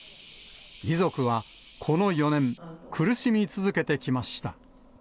遺族は、この４年、苦しみ続けてきました。